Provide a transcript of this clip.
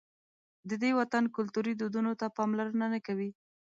د دې وطن کلتوري دودونو ته پاملرنه نه کوي.